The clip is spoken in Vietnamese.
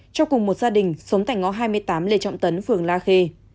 cho cùng một gia đình sống tại ngõ hai mươi tám lê trọng tấn phường la khê